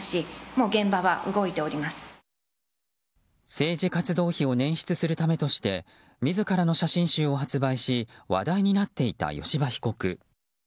政治活動費を捻出するためとして自らの写真集を発売し話題になっていた吉羽被告。